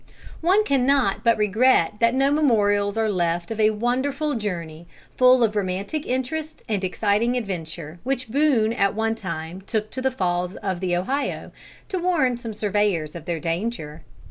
One cannot but regret that no memorials are left of a wonderful journey, full of romantic interest and exciting adventure, which Boone at one time took to the Falls of the Ohio, to warn some surveyors of their danger.